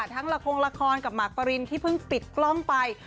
ละครละครกับหมากปรินที่เพิ่งปิดกล้องไป